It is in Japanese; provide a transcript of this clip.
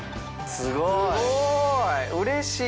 すごい！